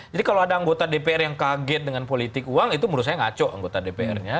jadi kalau ada anggota dpr yang kaget dengan politik uang itu menurut saya ngaco anggota dpr nya